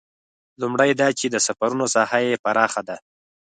لومړی دا چې د سفرونو ساحه یې پراخه ده.